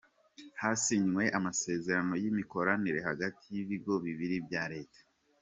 Hasinywe amasezerano y’imikoranire hagati Yibigo bibiri bya reta